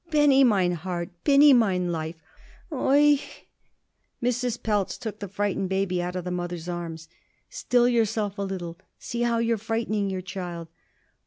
"Benny! mine heart, mine life! Oi i!" Mrs. Pelz took the frightened baby out of the mother's arms. "Still yourself a little! See how you're frightening your child."